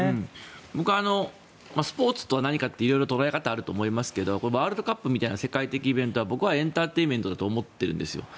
僕、スポーツとは何かって色々捉え方あると思いますがワールドカップみたいな世界的イベントはエンターテインメントだと思っているんです。